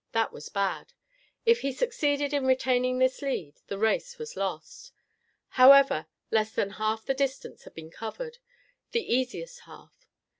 That was bad. If he succeeded in retaining this lead, the race was lost. However, less than half the distance had been covered, the easiest half.